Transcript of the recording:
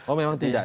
oh memang tidak